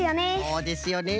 そうですよね。